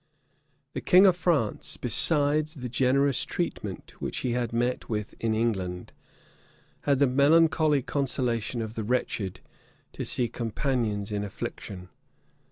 The king of France, besides the generous treatment which he met with in England, had the melancholy consolation of the wretched, to see companions in affliction.